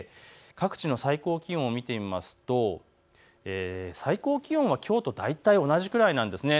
各地の最高気温を見てみますと最高気温はきょうと大体同じぐらいなんですね。